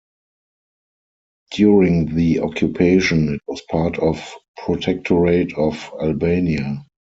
During the occupation, it was part of Protectorate of Albania.